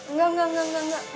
enggak enggak enggak enggak